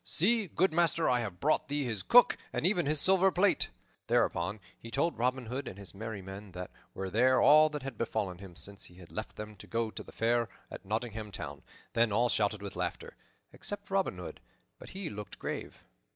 See, good master! I have brought thee his cook, and even his silver plate." Thereupon he told Robin Hood and his merry men that were there, all that had befallen him since he had left them to go to the Fair at Nottingham Town. Then all shouted with laughter, except Robin Hood; but he looked grave.